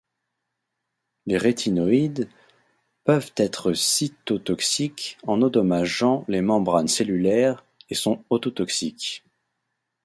Les rétinoïdes peuvent être cytotoxiques en endommageant les membranes cellulaires et sont ototoxiques.